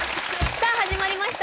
さあ始まりました